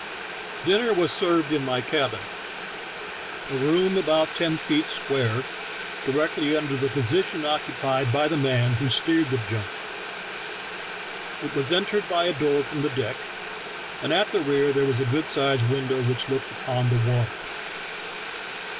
Dinner was served in my cabin — a room about ten feet square, directly under the position occu pied by the man who steered the junk; it was entered by a door from the deck, and at the rear there was a good sized window which looked upon the water.